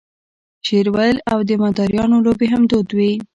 شعر ویل او د مداریانو لوبې هم دود وې.